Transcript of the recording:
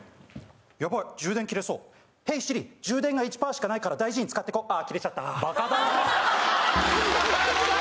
ヤバい充電切れそうヘイＳｉｒｉ充電が１パーしかないから大事に使ってこう切れちゃったバカだなあさあ